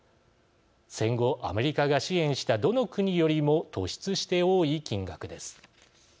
戦後アメリカが支援したどの国よりも突出して多い金額です。